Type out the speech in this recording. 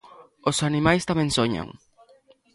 Os animais tamén soñan.